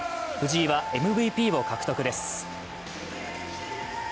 藤井はＭＶＰを獲得です。